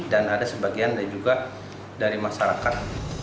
dan ada sebagian juga dari masyarakat